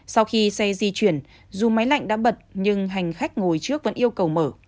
sau khi xe di chuyển dù máy lạnh đã bật nhưng hành khách ngồi trước vẫn yêu cầu mở